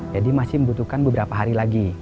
jadi masih membutuhkan beberapa hari lagi